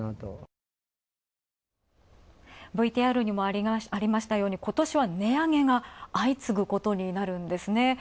ＶＴＲにありましたが、今年は値上げが相次ぐことになるんですね。